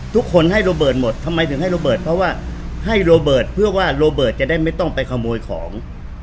ทุกคนให้โรเบิร์ตหมดทำไมถึงให้โรเบิร์ตเพราะว่าให้โรเบิร์ตเพื่อว่าโรเบิร์ตจะได้ไม่ต้องไปขโมยของ